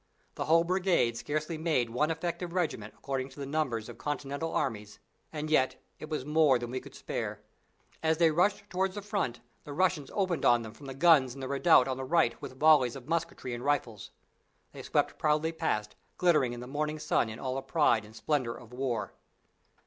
The whole brigade scarcely made one effective regiment according to the numbers of continental armies, and yet it was more than we could spare. As they rushed towards the front the Russians opened on them from the guns in the redoubt on the right with volleys of musketry and rifles. They swept proudly past, glittering in the morning sun in all the pride and splendour of war.